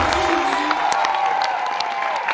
รับไปเลย๑ล้านบาท